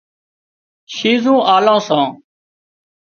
شِيزون آلان سان